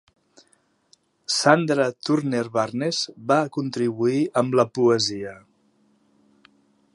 Sandra Turner-Barnes va contribuir amb la poesia.